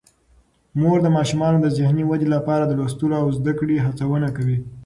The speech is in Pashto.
مور د ماشومانو د ذهني ودې لپاره د لوستلو او زده کړې هڅونه کوي.